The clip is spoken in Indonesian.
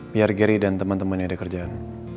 biar gary dan temen temennya ada kerjaan